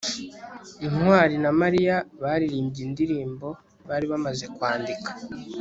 ntwali na mariya baririmbye indirimbo bari bamaze kwandika